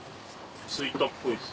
着いたっぽいです。